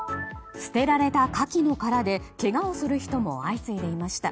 捨てられたカキの殻でけがをする人も相次いでいました。